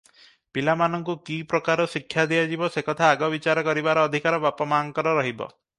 ପିଲାମାନଙ୍କୁ କି ପ୍ରକାର ଶିକ୍ଷା ଦିଆଯିବ, ସେକଥା ଆଗ ବିଚାର କରିବାର ଅଧିକାର ବାପମାଙ୍କର ରହିବ ।